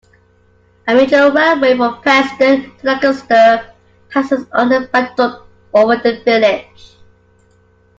A major railway from Preston to Lancaster passes on a viaduct over the village.